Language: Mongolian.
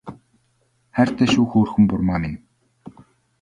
Хайртай шүү хөөрхөн бурмаа минь